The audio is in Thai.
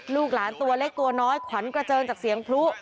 ลูกหลานตัวเล็กตัวน้อยขวัญกระเจิงจากเสียงพลุ